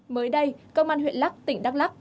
mới đây công an huyện lắc tỉnh đắk lắk